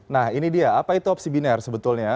nah ini dia apa itu opsi binar sebetulnya